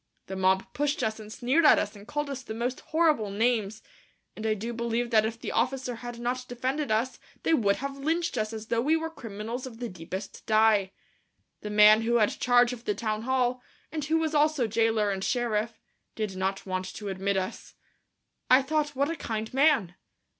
The mob pushed us and sneered at us and called us the most horrible names, and I do believe that if the officer had not defended us they would have lynched us as though we were criminals of the deepest dye. The man who had charge of the town hall, and who was also jailer and sheriff, did not want to admit us. I thought what a kind man!